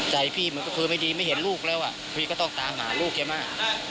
ใจพี่มันก็คือไม่ดีไม่เห็นลูกแล้วอ่ะพี่ก็ต้องตามหาลูกแกมาก